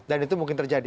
dan itu mungkin terjadi